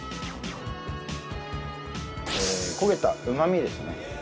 焦げたうまみですね。